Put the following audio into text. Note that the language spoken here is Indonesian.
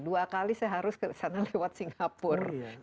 dua kali saya harus ke sana lewat singapura